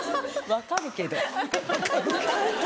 分かるけど。